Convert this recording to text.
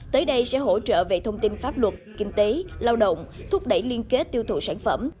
tới đây sẽ hỗ trợ về thông tin pháp luật kinh tế lao động thúc đẩy liên kết tiêu thụ sản phẩm